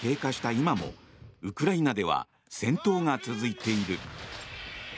今もウクライナでは戦闘が続いている。